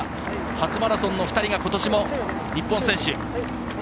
初マラソンの２人が今年も日本選手